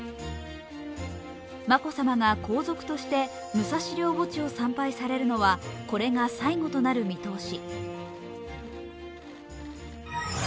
眞子さまが皇族として武蔵陵墓地を参拝されるのはこれが最後となる見通し。